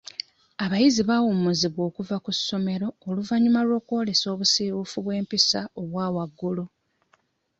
Abayizi baawummuzibwa okuva ku ssomero oluvannyuma lwokwolesa obusiiwuufu bw'empisa obwa waggulu.